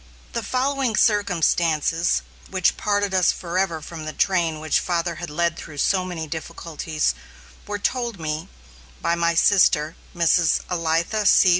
The following circumstances, which parted us forever from the train which father had led through so many difficulties, were told me by my sister, Mrs. Elitha C.